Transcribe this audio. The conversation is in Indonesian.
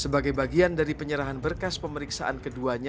sebagai bagian dari penyerahan berkas pemeriksaan keduanya